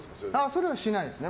それはしないですね。